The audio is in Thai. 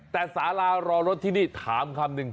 แต่สารารอรถที่นี่ถามคำนึง